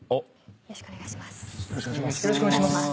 よろしくお願いします。